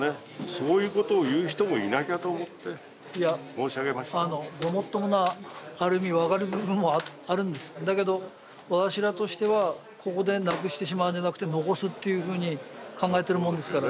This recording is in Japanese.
そういうことを言う人もいなきゃと思って申し上げましたあのごもっとなある意味分かる部分もあるんですだけど私らとしてはここでなくしてしまうんじゃなくて残すっていうふうに考えてるもんですから・